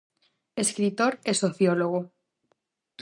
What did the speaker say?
Escritor e sociólogo.